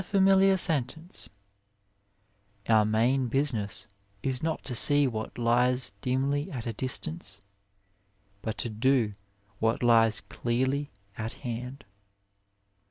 B 17 A WAY familiar sentence " Our main business is not to see what lies dimly at a distance, but to do what lies clearly at hand."